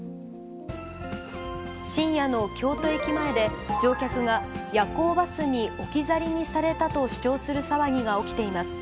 深夜の京都駅前で、乗客が夜行バスに置き去りにされたと主張する騒ぎが起きています。